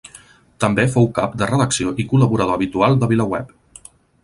També fou cap de redacció i col·laborador habitual de VilaWeb.